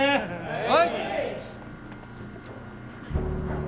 はい！